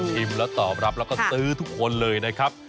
แล้วตอบรับแล้วก็ซื้อทุกคนเลยนะครับ